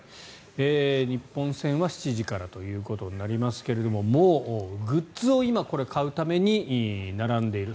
日本戦は７時からということになりますがもうグッズを今、買うために並んでいる。